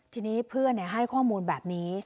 ทีนี้เพื่อนให้ข้อมูลแบบนี้